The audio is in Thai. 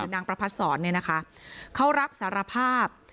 นางประพัดศรเนี่ยนะคะเขารับสารภาพ